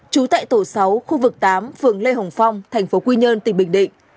trú tại tổ sáu khu vực tám phường lê hồng phong tp quy nhơn tỉnh bình định